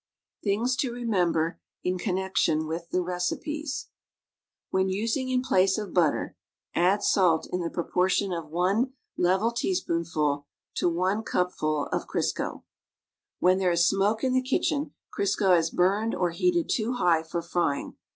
THINGS TO REMEMBER IN CONNECTION WITH THE RECIPES \Mieu usiug HI plaff of lniLlir, add sail, in Lbe propurliuii uf ciiit' lt'\i'l lea.spoDnful Lu one cupful of Crisco. When there is smoke in the kitchen, Crisco has burned or heated ton higli for frying.